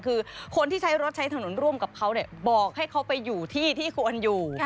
คือคนที่ใช้รถใช้ถนนร่วมกับเขาบอกให้เขาไปอยู่ที่ที่ควรอยู่